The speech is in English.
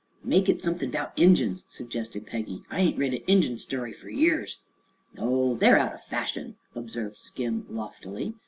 "Make it someth'n' 'bout Injuns," suggested Peggy. "I ain't read a Injun story fer years." "No; they're out o' fashion," observed Skim loftily.